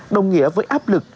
đồng nghĩa với áp lực